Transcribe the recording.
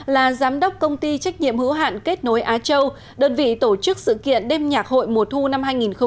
là giám đốc công ty trách nhiệm hữu hạn kết nối á châu đơn vị tổ chức sự kiện đêm nhạc hội mùa thu năm hai nghìn một mươi chín